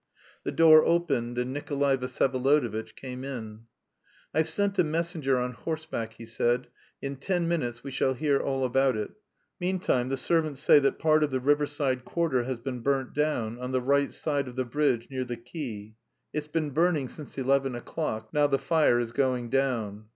The door opened and Nikolay Vsyevolodovitch came in. "I've sent a messenger on horseback," he said. "In ten minutes we shall hear all about it, meantime the servants say that part of the riverside quarter has been burnt down, on the right side of the bridge near the quay. It's been burning since eleven o'clock; now the fire is going down."